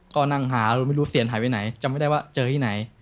ก็นั่งหาไม่รู้เตียนหายไปไหนจำไม่ได้ว่าเจอที่ไหน